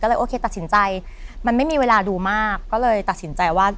ก็เลยโอเคตัดสินใจมันไม่มีเวลาดูมากก็เลยตัดสินใจว่า